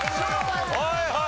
はいはい。